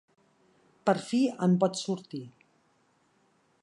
Per fi en pot sortir.